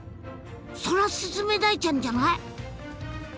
ソラスズメダイちゃんじゃない？